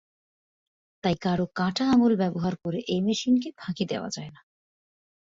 তাই কারও কাটা আঙুল ব্যবহার করে এই মেশিনকে ফাঁকি দেওয়া যায় না।